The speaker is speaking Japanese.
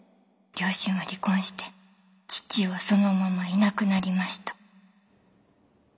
両親は離婚して父はそのままいなくなりました。